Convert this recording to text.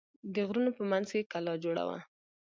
د غرونو په منځ کې کلا جوړه وه.